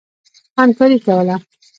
همکاري کوله.